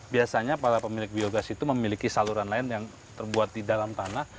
biasanya para pemilik biogas itu memiliki saluran lain yang terbuat di dalam tanah